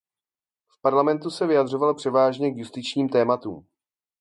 V parlamentu se vyjadřoval převážně k justičním tématům.